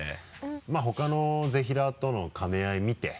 まぁ他のぜひらーとの兼ね合いみて。